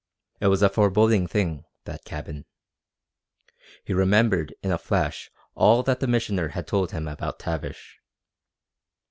It was a foreboding thing, that cabin. He remembered in a flash all that the Missioner had told him about Tavish.